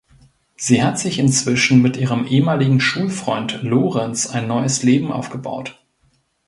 Sie hat sich inzwischen mit ihrem ehemaligen Schulfreund Lorenz ein neues Leben aufgebaut.